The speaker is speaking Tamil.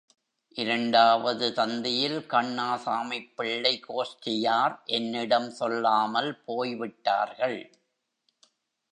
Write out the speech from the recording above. இரண்டாவது தந்தியில், கண்ணாசாமிப்பிள்ளை கோஷ்டியார் என்னிடம் சொல்லாமல் போய் விட்டார்கள்.